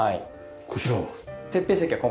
こちらは？